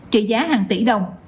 trị giá hàng tỷ đồng